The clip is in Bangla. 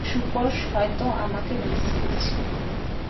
সুপস হয়তো আমাকে মিস করছে।